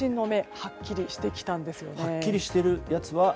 はっきりしているやつは。